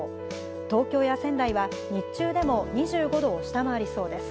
東京や仙台は、日中でも２５度を下回りそうです。